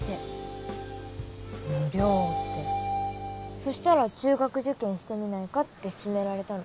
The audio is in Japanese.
そしたら中学受験してみないかって勧められたの。